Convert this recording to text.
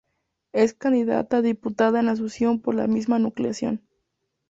Es candidata a diputada en Asunción por la misma nucleación.